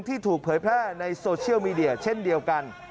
ถูกเผยแพร่ในโซเชียลมีเดียเช่นเดียวกัน